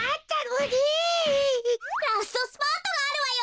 ラストスパートがあるわよ！